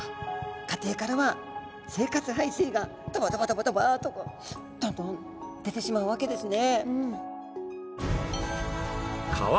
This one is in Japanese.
家庭からは生活排水がドバドバドバドバとどんどん出てしまうわけですね。